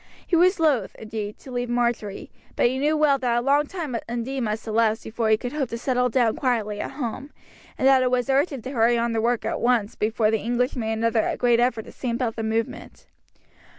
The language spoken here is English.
He was loath, indeed, to leave Marjory, but he knew well that a long time indeed must elapse before he could hope to settle down quietly at home, and that it was urgent to hurry on the work at once before the English made another great effort to stamp out the movement.